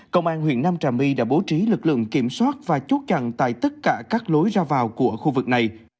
công an huyện nam trà my đã bố trí lực lượng kiểm soát và chốt chặn tại tất cả các lối ra vào của khu vực này